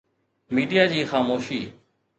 media جي خاموشي